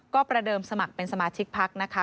ก็ประเดิมสมัครเป็นสมาชิกพักนะคะ